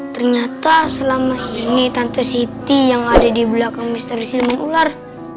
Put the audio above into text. ternyata selama ini tante city yang ada di belakang misteri ular